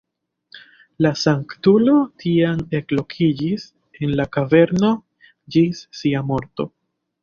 La sanktulo tiam ekloĝis en la kaverno ĝis sia morto.